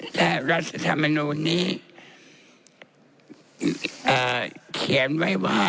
แต่รัฐธรรมนูลนี้เขียนไว้ว่า